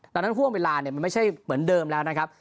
ดังนั้นห่วงเวลามันไม่ใช่เหมือนเดิมแล้วนะครับ